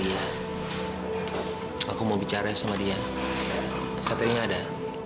iya aku mau bicara sama dia satunya ada